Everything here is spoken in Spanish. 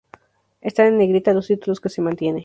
Están en negrita los títulos que se mantiene.